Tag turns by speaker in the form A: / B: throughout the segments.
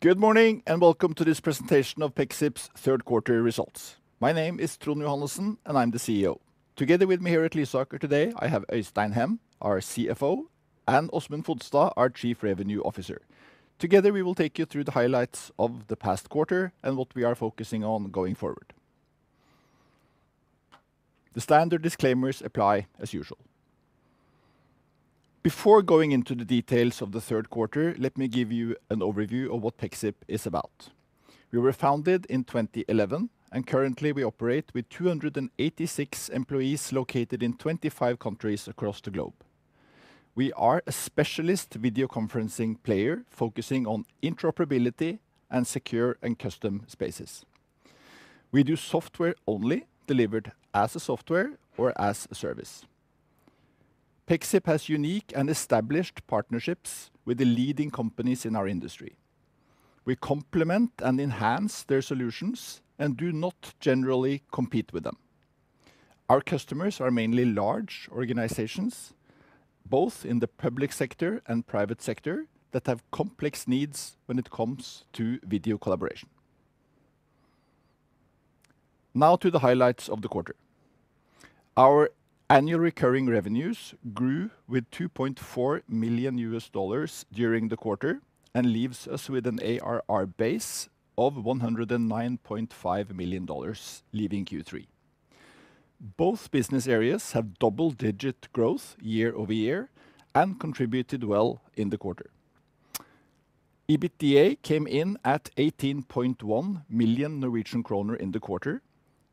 A: Good morning, and welcome to this presentation of Pexip's Q3 results. My name is Trond Johannessen, and I'm the CEO. Together with me here at Lysaker today, I have Øystein Hem, our CFO, and Åsmund O. Fodstad, our Chief Revenue Officer. Together, we will take you through the highlights of the past quarter and what we are focusing on going forward. The standard disclaimers apply as usual. Before going into the details of the Q3, let me give you an overview of what Pexip is about. We were founded in 2011, and currently we operate with 286 employees located in 25 countries across the globe. We are a specialist video conferencing player focusing on interoperability and secure and custom spaces. We do software only, delivered as a software or as a service. Pexip has unique and established partnerships with the leading companies in our industry. We complement and enhance their solutions and do not generally compete with them. Our customers are mainly large organizations, both in the public sector and private sector, that have complex needs when it comes to video collaboration. Now to the highlights of the quarter. Our annual recurring revenues grew with $2.4 million during the quarter and leaves us with an ARR base of $109.5 million leaving Q3. Both business areas have double-digit growth year over year and contributed well in the quarter. EBITDA came in at 18.1 million Norwegian kroner in the quarter.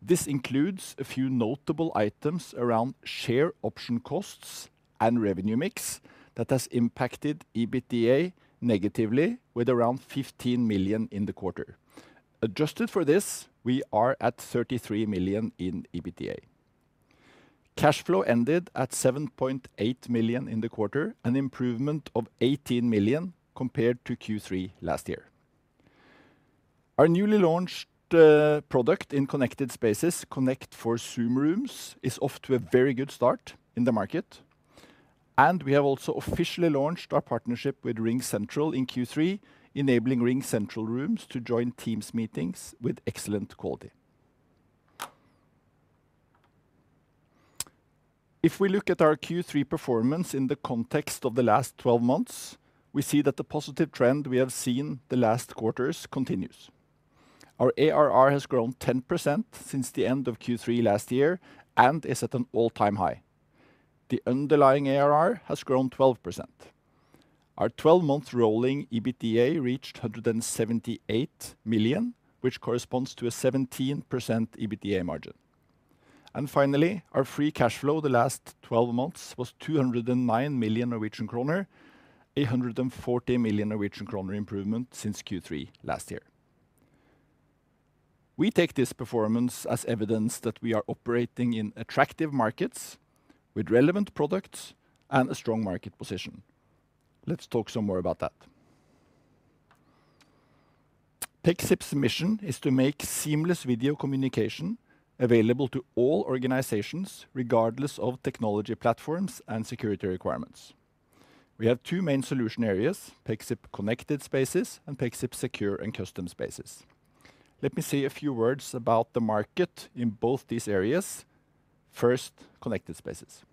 A: This includes a few notable items around share option costs and revenue mix that has impacted EBITDA negatively with around 15 million in the quarter. Adjusted for this, we are at 33 million in EBITDA. Cash flow ended at 7.8 million in the quarter, an improvement of 18 million compared to Q3 last year. Our newly launched product in connected spaces, Connect for Zoom Rooms, is off to a very good start in the market. And we have also officially launched our partnership with RingCentral in Q3, enabling RingCentral Rooms to join Teams meetings with excellent quality. If we look at our Q3 performance in the context of the last 12 months, we see that the positive trend we have seen the last quarters continues. Our ARR has grown 10% since the end of Q3 last year and is at an all-time high. The underlying ARR has grown 12%. Our 12-month rolling EBITDA reached 178 million, which corresponds to a 17% EBITDA margin. And finally, our free cash flow the last 12 months was 209 million Norwegian kroner, a 140 million Norwegian kroner improvement since Q3 last year. We take this performance as evidence that we are operating in attractive markets with relevant products and a strong market position. Let's talk some more about that. Pexip's mission is to make seamless video communication available to all organizations, regardless of technology platforms and security requirements. We have two main solution areas: Pexip connected spaces and Pexip secure and custom spaces. Let me say a few words about the market in both these areas. First, connected spaces.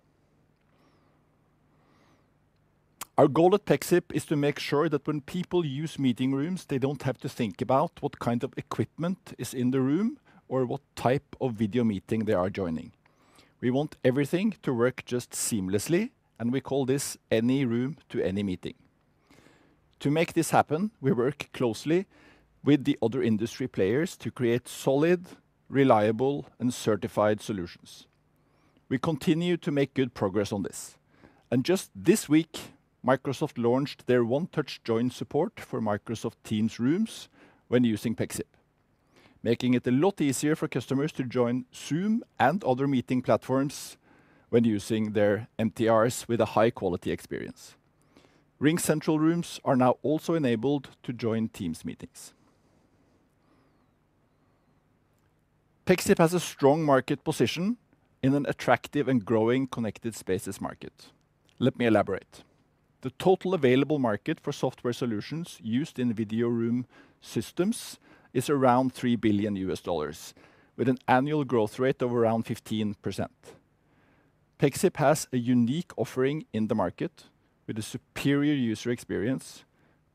A: Our goal at Pexip is to make sure that when people use meeting rooms, they don't have to think about what kind of equipment is in the room or what type of video meeting they are joining. We want everything to work just seamlessly, and we call this any room to any meeting. To make this happen, we work closely with the other industry players to create solid, reliable, and certified solutions. We continue to make good progress on this. Just this week, Microsoft launched their One Touch Join support for Microsoft Teams Rooms when using Pexip, making it a lot easier for customers to join Zoom and other meeting platforms when using their MTRs with a high-quality experience. RingCentral Rooms are now also enabled to join Teams meetings. Pexip has a strong market position in an attractive and growing connected spaces market. Let me elaborate. The total available market for software solutions used in video room systems is around $3 billion, with an annual growth rate of around 15%. Pexip has a unique offering in the market with a superior user experience,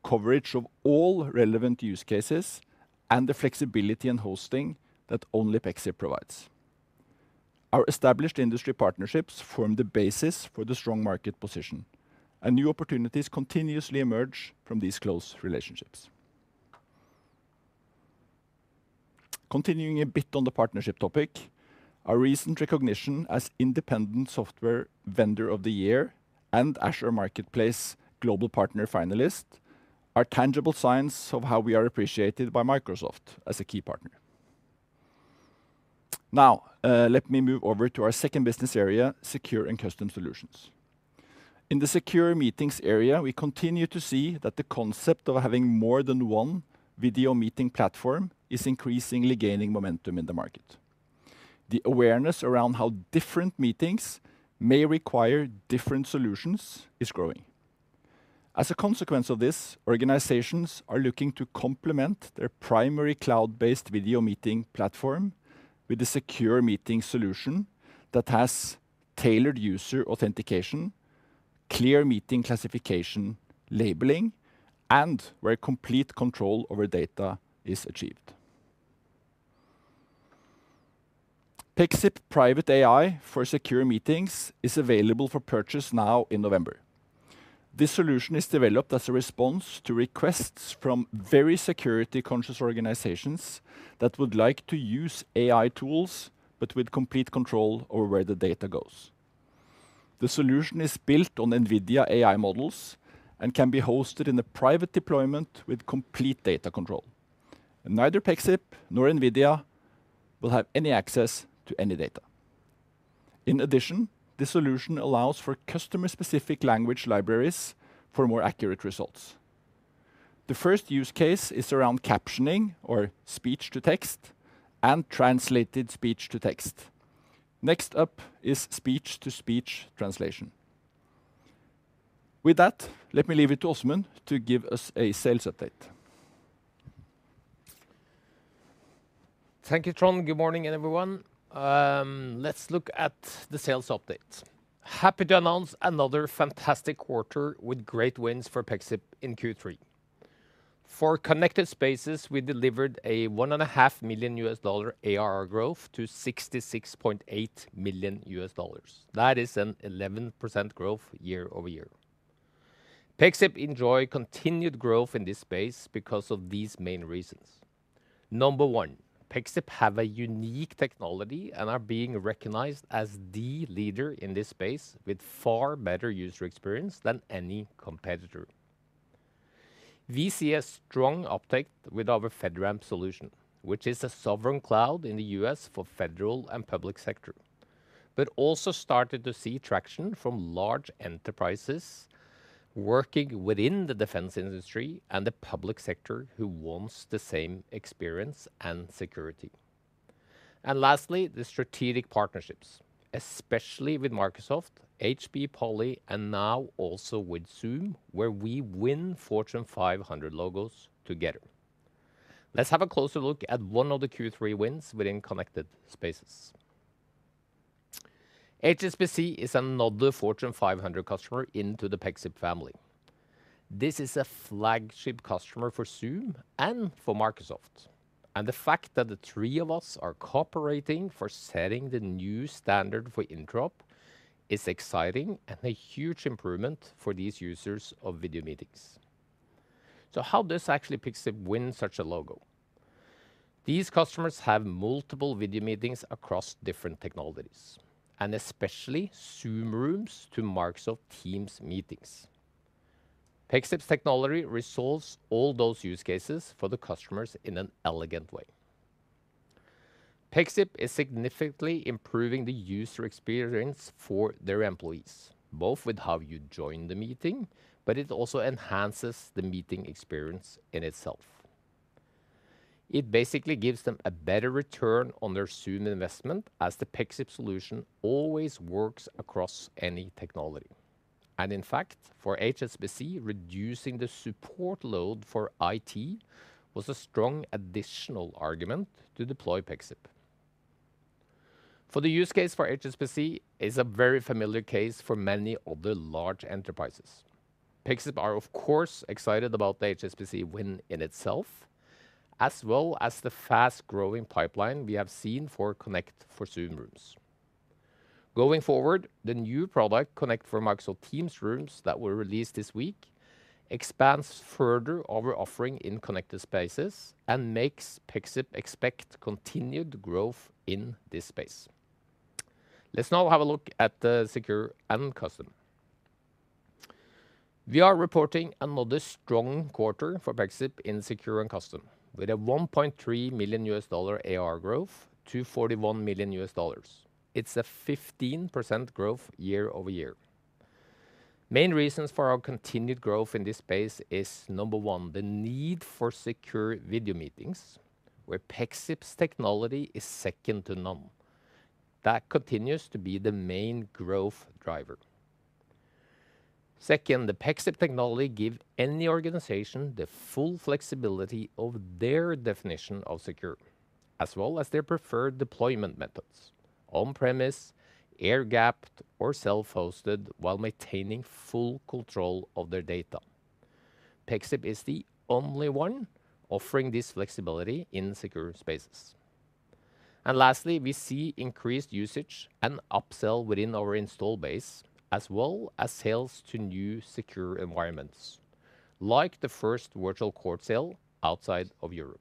A: coverage of all relevant use cases, and the flexibility and hosting that only Pexip provides. Our established industry partnerships form the basis for the strong market position, and new opportunities continuously emerge from these close relationships. Continuing a bit on the partnership topic, our recent recognition as Independent Software Vendor of the Year and Azure Marketplace Global Partner finalist are tangible signs of how we are appreciated by Microsoft as a key partner. Now, let me move over to our second business area, secure and custom solutions. In the secure meetings area, we continue to see that the concept of having more than one video meeting platform is increasingly gaining momentum in the market. The awareness around how different meetings may require different solutions is growing. As a consequence of this, organizations are looking to complement their primary cloud-based video meeting platform with a secure meeting solution that has tailored user authentication, clear meeting classification labeling, and where complete control over data is achieved. Pexip Private AI for Secure Meetings is available for purchase now in November. This solution is developed as a response to requests from very security-conscious organizations that would like to use AI tools but with complete control over where the data goes. The solution is built on NVIDIA AI models and can be hosted in a private deployment with complete data control. Neither Pexip nor NVIDIA will have any access to any data. In addition, the solution allows for customer-specific language libraries for more accurate results. The first use case is around captioning or speech-to-text and translated speech-to-text. Next up is speech-to-speech translation. With that, let me leave it to Åsmund to give us a sales update.
B: Thank you, Trond. Good morning, everyone. Let's look at the sales update. Happy to announce another fantastic quarter with great wins for Pexip in Q3. For connected spaces, we delivered a $1.5 million ARR growth to $66.8 million. That is an 11% growth year over year. Pexip enjoys continued growth in this space because of these main reasons. Number one, Pexip has a unique technology and is being recognized as the leader in this space with far better user experience than any competitor. We see a strong uptake with our FedRAMP solution, which is a sovereign cloud in the U.S. for the federal and public sector, but also started to see traction from large enterprises working within the defense industry and the public sector who want the same experience and security. And lastly, the strategic partnerships, especially with Microsoft, HPE Poly, and now also with Zoom, where we win Fortune 500 logos together. Let's have a closer look at one of the Q3 wins within connected spaces. HSBC is another Fortune 500 customer into the Pexip family. This is a flagship customer for Zoom and for Microsoft. And the fact that the three of us are cooperating for setting the new standard for interop is exciting and a huge improvement for these users of video meetings. So how does actually Pexip win such a logo? These customers have multiple video meetings across different technologies, and especially Zoom Rooms to Microsoft Teams meetings. Pexip's technology resolves all those use cases for the customers in an elegant way. Pexip is significantly improving the user experience for their employees, both with how you join the meeting, but it also enhances the meeting experience in itself. It basically gives them a better return on their Zoom investment as the Pexip solution always works across any technology. And in fact, for HSBC, reducing the support load for IT was a strong additional argument to deploy Pexip. For the use case for HSBC, it's a very familiar case for many other large enterprises. Pexip are excited about the HSBC win in itself, as well as the fast-growing pipeline we have seen for Connect for Zoom Rooms. Going forward, the new product, Connect for Microsoft Teams Rooms that was released this week, expands further our offering in connected spaces and makes Pexip expect continued growth in this space. Let's now have a look at the secure and custom. We are reporting another strong quarter for Pexip in secure and custom with a $1.3 million ARR growth to $41 million. It's a 15% growth year over year. Main reasons for our continued growth in this space is, number one, the need for secure video meetings, where Pexip's technology is second to none. That continues to be the main growth driver. Second, the Pexip technology gives any organization the full flexibility of their definition of secure, as well as their preferred deployment methods: on-premise, air-gapped, or self-hosted, while maintaining full control of their data. Pexip is the only one offering this flexibility in secure spaces, and lastly, we see increased usage and upsell within our install base, as well as sales to new secure environments, like the first virtual court sale outside of Europe.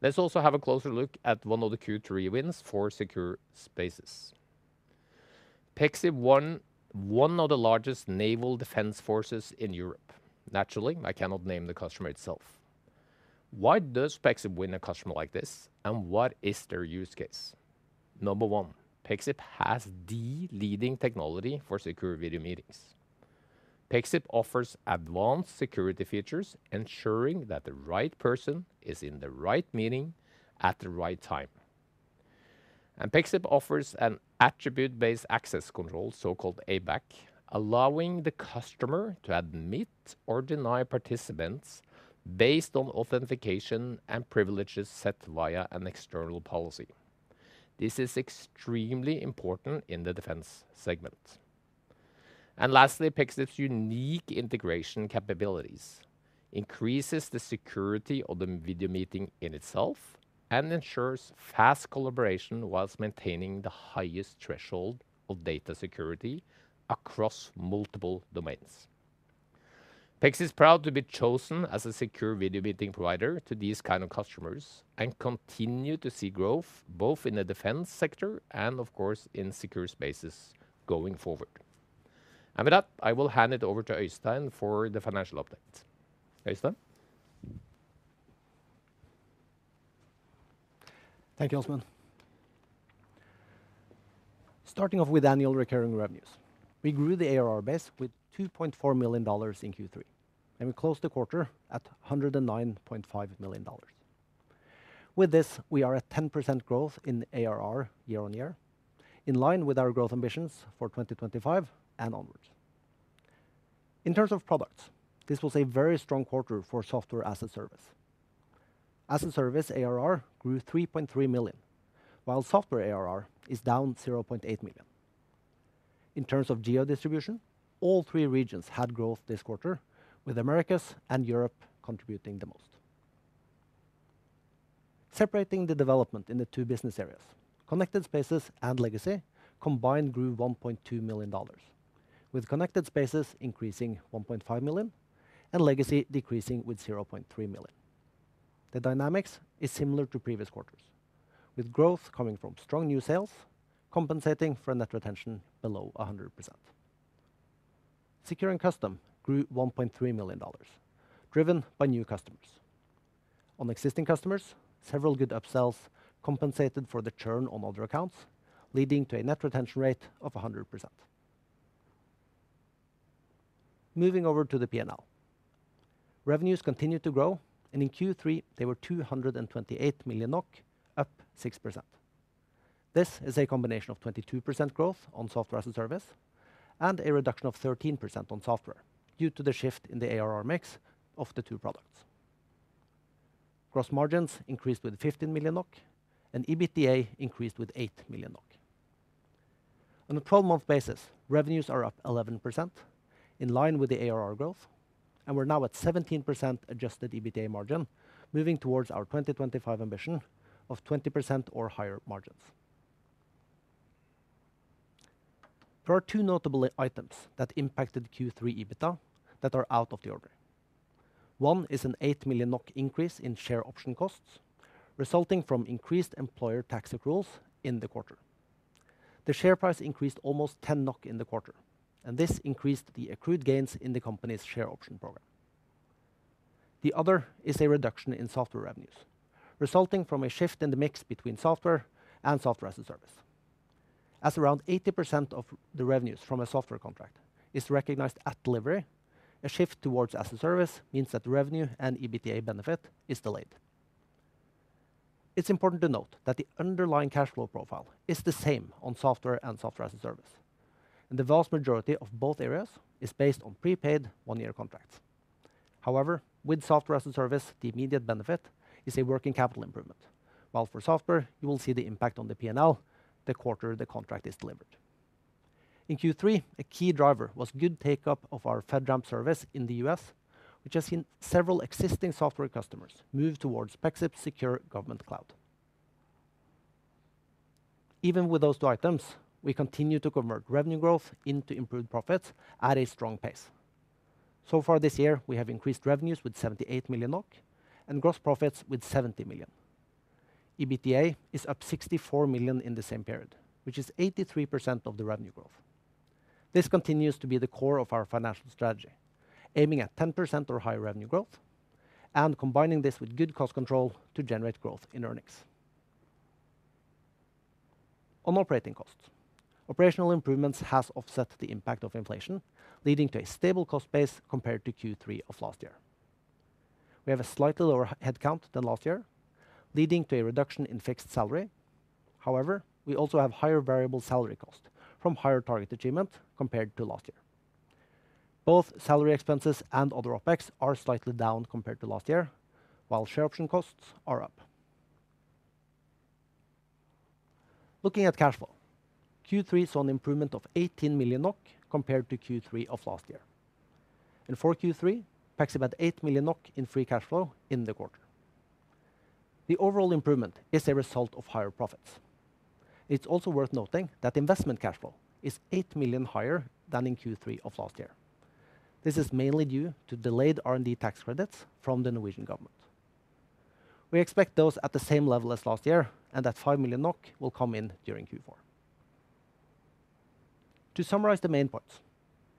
B: Let's also have a closer look at one of the Q3 wins for secure spaces. Pexip won one of the largest naval defense forces in Europe. Naturally, I cannot name the customer itself. Why does Pexip win a customer like this, and what is their use case? Number one, Pexip has the leading technology for secure video meetings. Pexip offers advanced security features, ensuring that the right person is in the right meeting at the right time. Pexip offers an attribute-based access control, so-called ABAC, allowing the customer to admit or deny participants based on authentication and privileges set via an external policy. This is extremely important in the defense segment. Lastly, Pexip's unique integration capabilities increase the security of the video meeting in itself and ensure fast collaboration whilst maintaining the highest threshold of data security across multiple domains. Pexip is proud to be chosen as a secure video meeting provider to these kinds of customers and continues to see growth both in the defense sector and, of course, in secure spaces going forward. And with that, I will hand it over to Øystein for the financial update. Øystein?
C: Thank you, Åsmund. Starting off with annual recurring revenues, we grew the ARR base with $2.4 million in Q3, and we closed the quarter at $109.5 million. With this, we are at 10% growth in ARR year on year, in line with our growth ambitions for 2025 and onwards. In terms of products, this was a very strong quarter for software as a service. As a service, ARR grew $3.3 million, while software ARR is down $0.8 million. In terms of geo-distribution, all three regions had growth this quarter, with the Americas and Europe contributing the most. Separating the development in the two business areas, connected spaces and legacy combined grew $1.2 million, with connected spaces increasing $1.5 million and legacy decreasing with $0.3 million. The dynamics are similar to previous quarters, with growth coming from strong new sales, compensating for net retention below 100%. Secure and custom grew $1.3 million, driven by new customers. On existing customers, several good upsells compensated for the churn on other accounts, leading to a net retention rate of 100%. Moving over to the P&L, revenues continued to grow, and in Q3, they were 228 million NOK, up 6%. This is a combination of 22% growth on software as a service and a reduction of 13% on software due to the shift in the ARR mix of the two products. Gross margins increased with 15 million NOK, and EBITDA increased with 8 million NOK. On a 12-month basis, revenues are up 11% in line with the ARR growth, and we're now at 17% adjusted EBITDA margin, moving towards our 2025 ambition of 20% or higher margins. There are two notable items that impacted Q3 EBITDA that are out of the order. One is an 8 million NOK increase in share option costs, resulting from increased employer tax accruals in the quarter. The share price increased almost 10 NOK in the quarter, and this increased the accrued gains in the company's share option program. The other is a reduction in software revenues, resulting from a shift in the mix between software and software as a service. As around 80% of the revenues from a software contract is recognized at delivery, a shift towards as a service means that revenue and EBITDA benefit are delayed. It's important to note that the underlying cash flow profile is the same on software and software as a service, and the vast majority of both areas is based on prepaid one-year contracts. However, with software as a service, the immediate benefit is a working capital improvement, while for software, you will see the impact on the P&L the quarter the contract is delivered. In Q3, a key driver was good take-up of our FedRAMP service in the U.S., which has seen several existing software customers move towards Pexip's secure government cloud. Even with those two items, we continue to convert revenue growth into improved profits at a strong pace. So far this year, we have increased revenues with 78 million NOK and gross profits with 70 million. EBITDA is up 64 million in the same period, which is 83% of the revenue growth. This continues to be the core of our financial strategy, aiming at 10% or higher revenue growth and combining this with good cost control to generate growth in earnings. On operating costs, operational improvements have offset the impact of inflation, leading to a stable cost base compared to Q3 of last year. We have a slightly lower headcount than last year, leading to a reduction in fixed salary. However, we also have higher variable salary costs from higher target achievement compared to last year. Both salary expenses and other OpEx are slightly down compared to last year, while share option costs are up. Looking at cash flow, Q3 saw an improvement of 18 million NOK compared to Q3 of last year. In Q4, Pexip had 8 million NOK in Free Cash Flow in the quarter. The overall improvement is a result of higher profits. It's also worth noting that investment cash flow is 8 million higher than in Q3 of last year. This is mainly due to delayed R&D tax credits from the Norwegian government. We expect those at the same level as last year, and 5 million NOK will come in during Q4. To summarize the main points,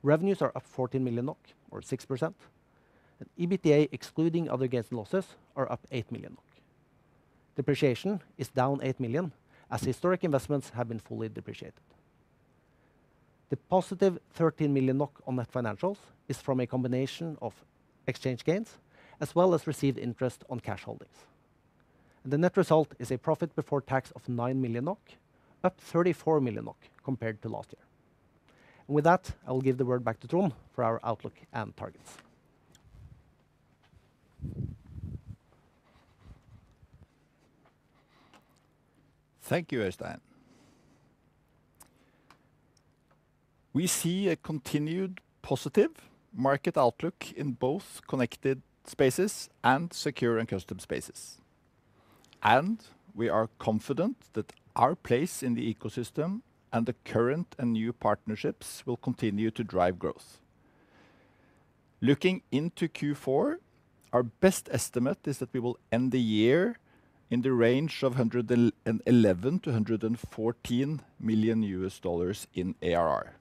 C: revenues are up 14 million NOK, or 6%, and EBITDA, excluding other gains and losses, are up 8 million NOK. Depreciation is down 8 million as historic investments have been fully depreciated. The positive 13 million NOK on net financials is from a combination of exchange gains as well as received interest on cash holdings, and the net result is a profit before tax of 9 million NOK, up 34 million NOK compared to last year, and with that, I will give the word back to Trond for our outlook and targets.
A: Thank you, Øystein. We see a continued positive market outlook in both connected spaces and secure and custom spaces. We are confident that our place in the ecosystem and the current and new partnerships will continue to drive growth. Looking into Q4, our best estimate is that we will end the year in the range of $111 million-$114 million in ARR.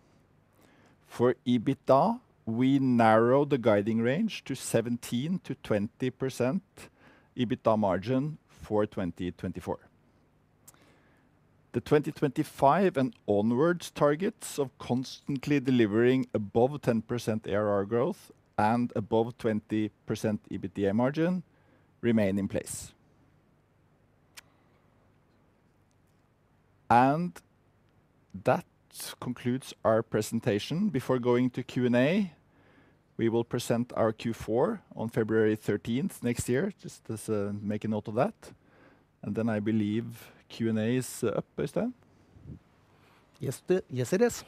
A: For EBITDA, we narrow the guiding range to 17%-20% EBITDA margin for 2024. The 2025 and onwards targets of constantly delivering above 10% ARR growth and above 20% EBITDA margin remain in place. That concludes our presentation. Before going to Q&A, we will present our Q4 on February 13 next year. Just make a note of that. I believe Q&A is up, Øystein?
C: Yes, it is.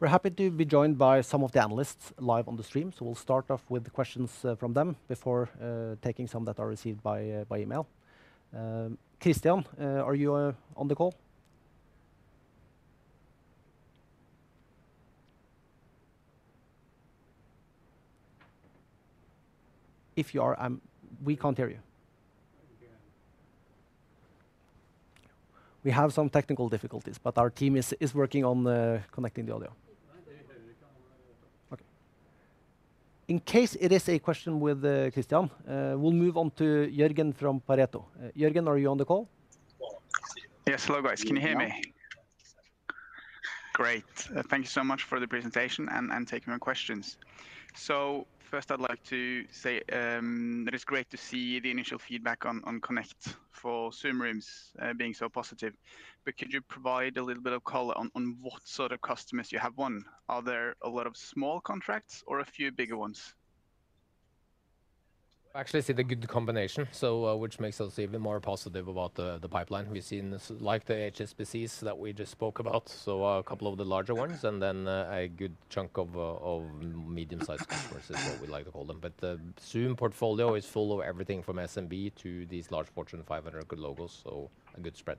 C: We're happy to be joined by some of the analysts live on the stream, so we'll start off with questions from them before taking some that are received by email. Kristian, are you on the call? If you are, we can't hear you. We have some technical difficulties, but our team is working on connecting the audio. Okay. In case it is a question with Kristian, we'll move on to Jørgen from Pareto. Jørgen, are you on the call? Yes, hello, guys. Can you hear me? Great. Thank you so much for the presentation and taking my questions. So first, I'd like to say that it's great to see the initial feedback on Connect for Zoom Rooms being so positive, but could you provide a little bit of color on what sort of customers you have won? Are there a lot of small contracts or a few bigger ones?
A: Actually, I see the good combination, which makes us even more positive about the pipeline. We've seen like the HSBCs that we just spoke about, so a couple of the larger ones, and then a good chunk of medium-sized customers is what we like to call them, but the Zoom portfolio is full of everything from SMB to these large Fortune 500 good logos, so a good spread.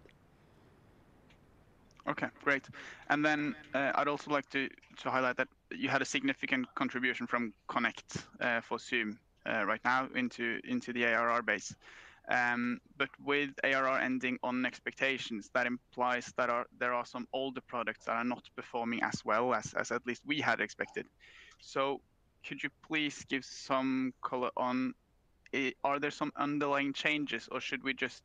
A: Okay, great. And then I'd also like to highlight that you had a significant contribution from Connect for Zoom right now into the ARR base. But with ARR ending on expectations, that implies that there are some older products that are not performing as well as at least we had expected. So could you please give some color on, are there some underlying changes, or should we just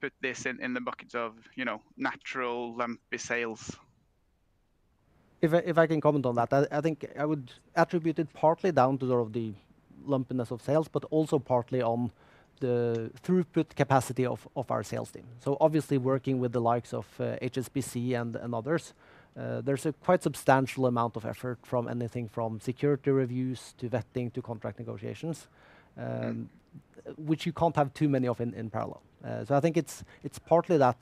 A: put this in the buckets of natural lumpy sales?
C: If I can comment on that, I think I would attribute it partly down to the lumpiness of sales, but also partly on the throughput capacity of our sales team. So obviously, working with the likes of HSBC and others, there's a quite substantial amount of effort from anything from security reviews to vetting to contract negotiations, which you can't have too many of in parallel. So I think it's partly that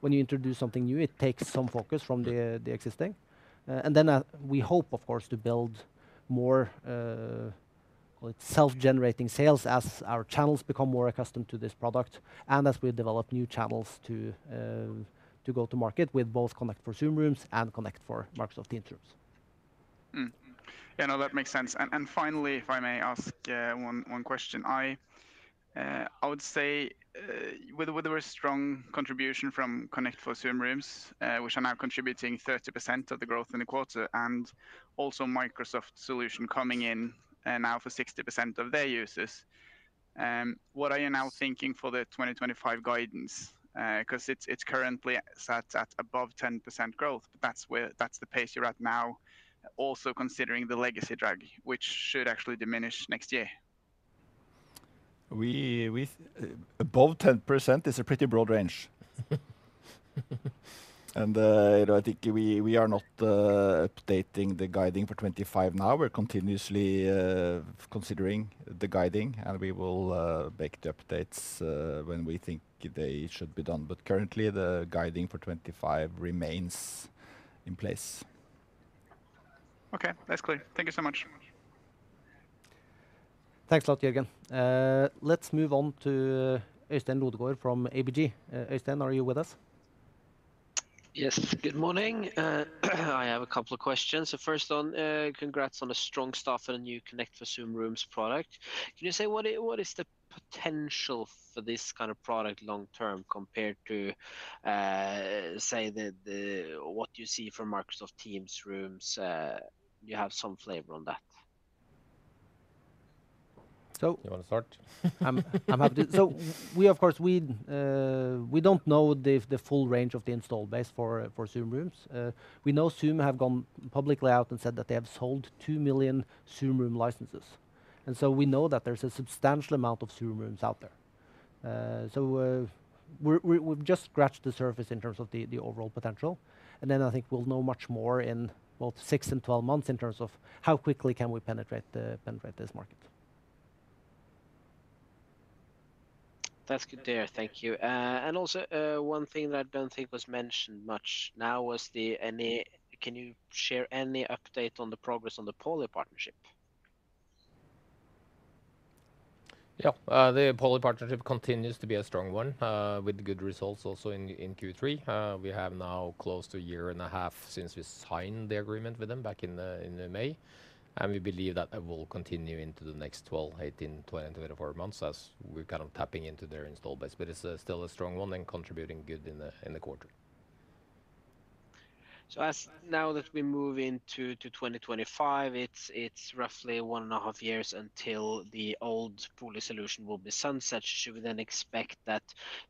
C: when you introduce something new, it takes some focus from the existing. And then we hope, of course, to build more self-generating sales as our channels become more accustomed to this product and as we develop new channels to go to market with both Connect for Zoom Rooms and Connect for Microsoft Teams Rooms. Yeah, no, that makes sense, and finally, if I may ask one question, I would say with a very strong contribution from Connect for Zoom Rooms, which are now contributing 30% of the growth in the quarter, and also Microsoft's solution coming in now for 60% of their users, what are you now thinking for the 2025 guidance? Because it's currently set at above 10% growth, but that's the pace you're at now, also considering the legacy drag, which should actually diminish next year.
A: Above 10% is a pretty broad range, and I think we are not updating the guidance for 2025 now. We're continuously considering the guidance, and we will make the updates when we think they should be done, but currently, the guidance for 2025 remains in place. Okay, that's clear. Thank you so much.
C: Thanks a lot, Jørgen. Let's move on to Øystein Lodegård from ABG. Øystein, are you with us?
D: Yes, good morning. I have a couple of questions. So first one, congrats on the strong start for the new Connect for Zoom Rooms product. Can you say what is the potential for this kind of product long-term compared to, say, what you see for Microsoft Teams Rooms? Do you have some flavor on that?
C: We don't know the full range of the installed base for Zoom Rooms. We know Zoom have gone publicly out and said that they have sold 2 million Zoom Room licenses. And so we know that there's a substantial amount of Zoom Rooms out there. So we've just scratched the surface in terms of the overall potential. And then I think we'll know much more in both six and 12 months in terms of how quickly can we penetrate this market.
D: That's good to hear. Thank you. And also one thing that I don't think was mentioned much now was, can you share any update on the progress on the Poly partnership?
A: Yeah, the Poly partnership continues to be a strong one with good results also in Q3. We have now close to a year and a half since we signed the agreement with them back in May. And we believe that will continue into the next 12, 18, 24 months as we're kind of tapping into their install base. But it's still a strong one and contributing good in the quarter.
D: So now that we move into 2025, it's roughly one and a half years until the old Poly solution will be sunset. Should we then expect that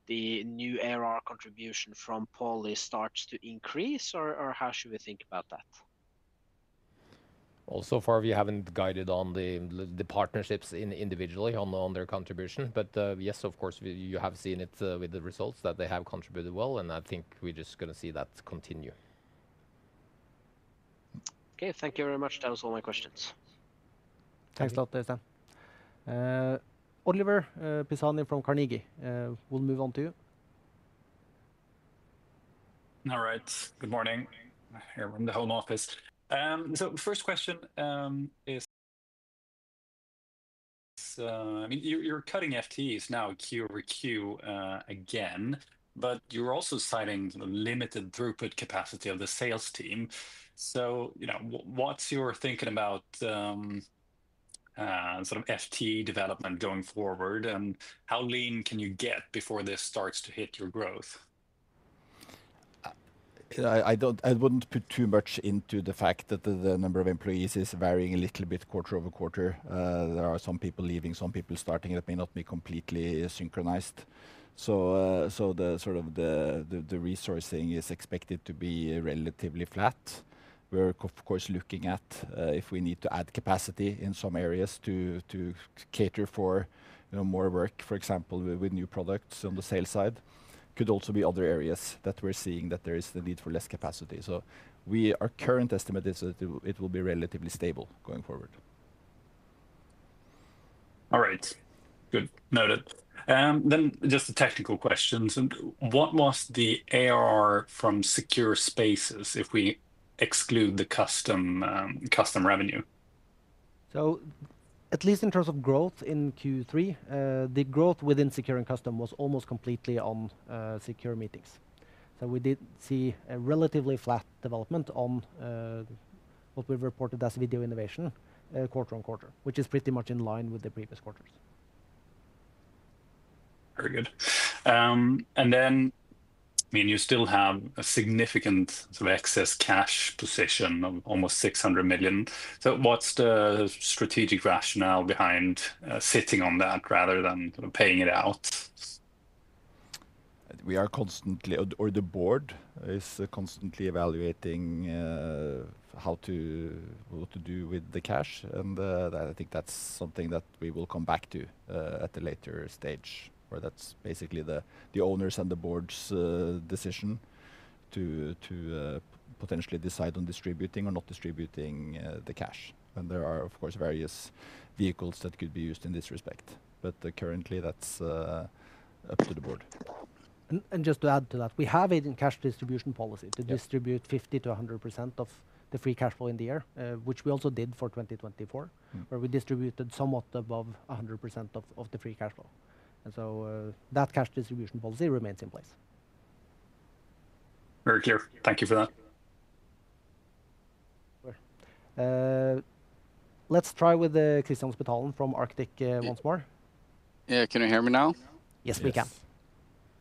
D: the new ARR contribution from Poly starts to increase, or how should we think about that?
A: So far we haven't guided on the partnerships individually on their contribution. Yes, of course, you have seen it with the results that they have contributed well. I think we're just going to see that continue. Okay, thank you very much. That was all my questions.
C: Thanks a lot, Øystein. Oliver Pisani from Carnegie, we'll move on to you.
E: All right, good morning. I'm here from the home office. So first question is, I mean, you're cutting FTEs now Q over Q again, but you're also citing limited throughput capacity of the sales team. So what's your thinking about sort of FTE development going forward, and how lean can you get before this starts to hit your growth?
A: I wouldn't put too much into the fact that the number of employees is varying a little bit quarter over quarter. There are some people leaving, some people starting. It may not be completely synchronized. So sort of the resourcing is expected to be relatively flat. We're, of course, looking at if we need to add capacity in some areas to cater for more work, for example, with new products on the sales side. Could also be other areas that we're seeing that there is the need for less capacity. So our current estimate is that it will be relatively stable going forward.
E: All right, good. Noted. Then just a technical question. What was the ARR from secure spaces if we exclude the custom revenue?
C: So at least in terms of growth in Q3, the growth within Secure and Custom was almost completely on Secure Meetings. So we did see a relatively flat development on what we've reported as video innovation quarter on quarter, which is pretty much in line with the previous quarters.
E: Very good. And then, I mean, you still have a significant sort of excess cash position of almost 600 million. So what's the strategic rationale behind sitting on that rather than paying it out?
A: We are constantly, or the board is constantly evaluating what to do with the cash, and I think that's something that we will come back to at a later stage, where that's basically the owners and the board's decision to potentially decide on distributing or not distributing the cash, and there are, of course, various vehicles that could be used in this respect, but currently, that's up to the board.
C: Just to add to that, we have a cash distribution policy to distribute 50%-100% of the Free Cash Flow in the year, which we also did for 2024, where we distributed somewhat above 100% of the Free Cash Flow. That cash distribution policy remains in place.
E: Very clear. Thank you for that.
C: Let's try with Kristian Spetalen from Arctic once more.
F: Yeah, can you hear me now?
B: Yes, we can.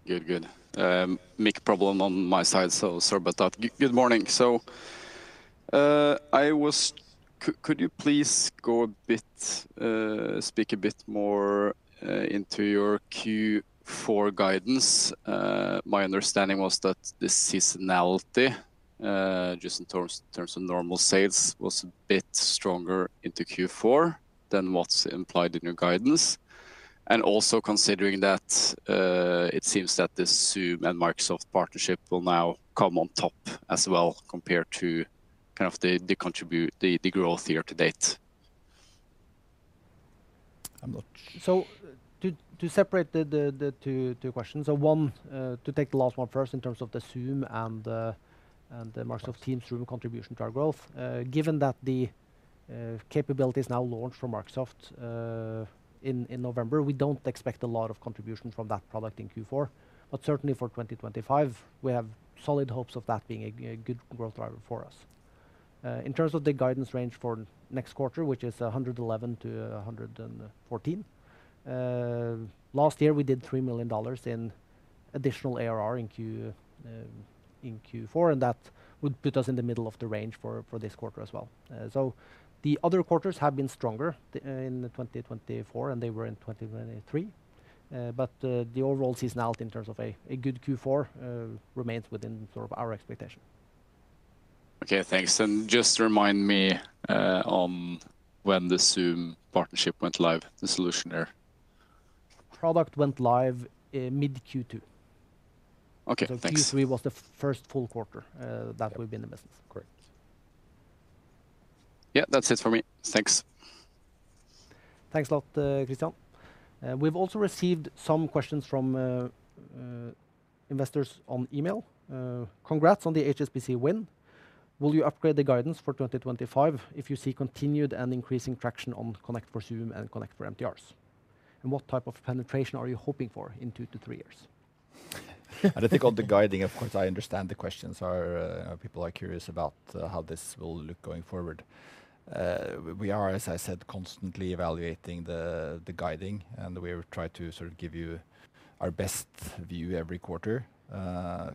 F: Good, good. Had a problem on my side, so sorry about that. Good morning. So could you please go a bit more into your Q4 guidance? My understanding was that the seasonality, just in terms of normal sales, was a bit stronger into Q4 than what's implied in your guidance. And also considering that it seems that the Zoom and Microsoft partnership will now come on top as well compared to kind of the growth year to date.
C: To separate the two questions, one, to take the last one first in terms of the Zoom and the Microsoft Teams Room contribution to our growth, given that the capability is now launched from Microsoft in November, we don't expect a lot of contribution from that product in Q4. But certainly for 2025, we have solid hopes of that being a good growth driver for us. In terms of the guidance range for next quarter, which is 111 to 114, last year we did $3 million in additional ARR in Q4, and that would put us in the middle of the range for this quarter as well. The other quarters have been stronger in 2024, and they were in 2023. But the overall seasonality in terms of a good Q4 remains within sort of our expectation.
F: Okay, thanks. And just remind me on when the Zoom partnership went live, the solution there?
C: Product went live mid-Q2.
F: Okay, thanks.
C: Q3 was the first full quarter that we've been in business.
F: Correct. Yeah, that's it for me. Thanks.
C: Thanks a lot, Kristian. We've also received some questions from investors on email. Congrats on the HSBC win. Will you upgrade the guidance for 2025 if you see continued and increasing traction on Connect for Zoom and Connect for MTRs? And what type of penetration are you hoping for in two to three years?
A: I don't think, on the guidance, of course. I understand the questions, as people are curious about how this will look going forward. We are, as I said, constantly evaluating the guidance, and we will try to sort of give you our best view every quarter.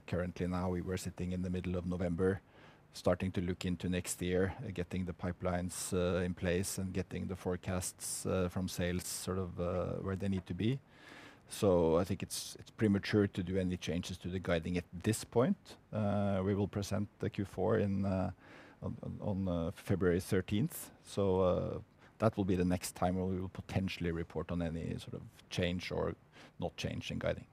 A: Currently now, we were sitting in the middle of November, starting to look into next year, getting the pipelines in place and getting the forecasts from sales sort of where they need to be, so I think it's premature to do any changes to the guidance at this point. We will present the Q4 on February 13th, so that will be the next time we will potentially report on any sort of change or not change in guidance.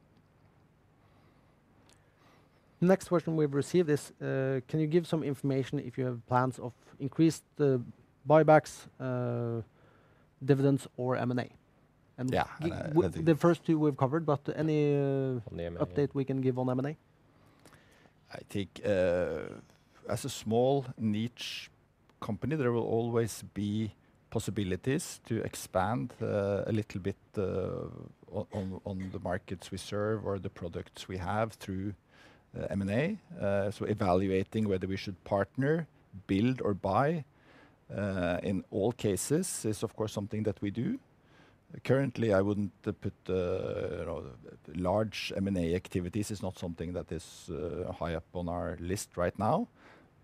C: Next question we've received is, can you give some information if you have plans of increased buybacks, dividends, or M&A?
A: Yeah, I think.
C: The first two we've covered, but any update we can give on M&A?
A: I think as a small niche company, there will always be possibilities to expand a little bit on the markets we serve or the products we have through M&A, so evaluating whether we should partner, build, or buy in all cases is, of course, something that we do. Currently, I wouldn't put large M&A activities is not something that is high up on our list right now,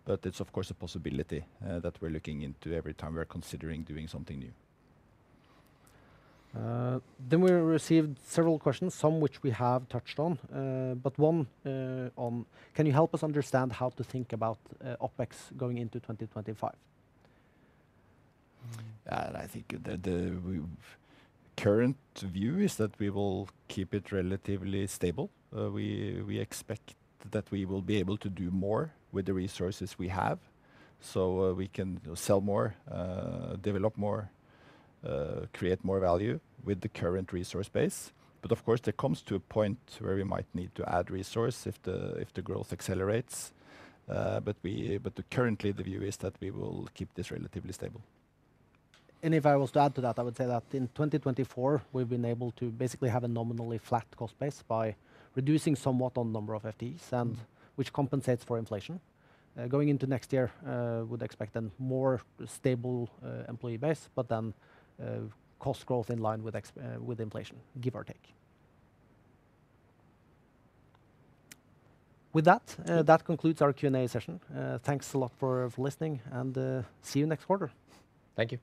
A: but it's, of course, a possibility that we're looking into every time we're considering doing something new.
C: Then we received several questions, some which we have touched on, but one on, can you help us understand how to think about OpEx going into 2025?
A: Yeah, I think the current view is that we will keep it relatively stable. We expect that we will be able to do more with the resources we have so we can sell more, develop more, create more value with the current resource base. But of course, there comes to a point where we might need to add resources if the growth accelerates. But currently, the view is that we will keep this relatively stable.
C: And if I was to add to that, I would say that in 2024, we've been able to basically have a nominally flat cost base by reducing somewhat on the number of FTEs, which compensates for inflation. Going into next year, we would expect a more stable employee base, but then cost growth in line with inflation, give or take. With that, that concludes our Q&A session. Thanks a lot for listening, and see you next quarter.
A: Thank you.